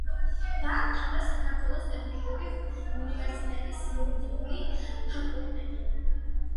დაამთავრა საქართველოს ტექნიკური უნივერსიტეტის იურიდიული ფაკულტეტი.